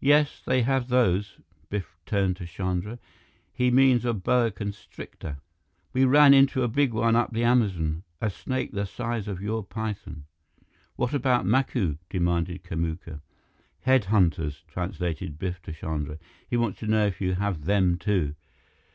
"Yes, they have those." Biff turned to Chandra. "He means a boa constrictor. We ran into a big one up the Amazon, a snake the size of your python." "What about Macu?" demanded Kamuka. "Head hunters," translated Biff to Chandra. "He wants to know if you have them, too."